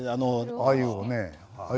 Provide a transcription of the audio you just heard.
アユをね。